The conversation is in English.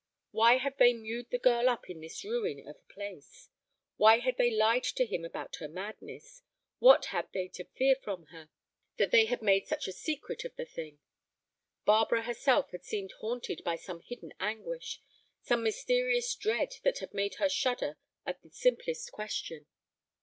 Why had they mewed the girl up in this ruin of a place? Why had they lied to him about her madness? What had they to fear from her that they had made such a secret of the thing? Barbara herself had seemed haunted by some hidden anguish, some mysterious dread that had made her shudder at the simplest question.